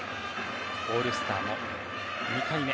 オールスターも２回目。